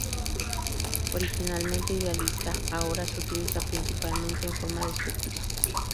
Originalmente idealista, ahora se utiliza principalmente en forma despectiva.